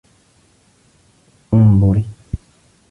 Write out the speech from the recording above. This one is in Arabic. أنظرِ.